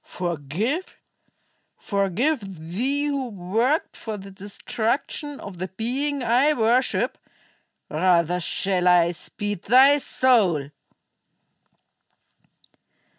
"Forgive? Forgive thee, who worked for the destruction of the being I worship? Rather shall I speed thy soul!"